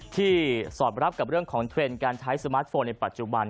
สอดรับกับเรื่องของเทรนด์การใช้สมาร์ทโฟนในปัจจุบัน